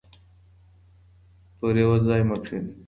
په یوه ځای مه کښینئ.